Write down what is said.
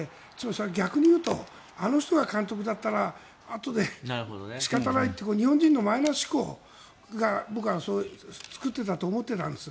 それは逆に言うとあの人が監督だったらあとで仕方ないと日本人のマイナス思考が僕は作っていたと思うんです。